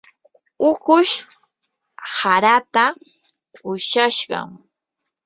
ukush haraata ushashqam.